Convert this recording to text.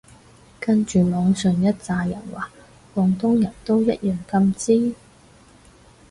跟住網上一柞人話廣東人都一樣咁支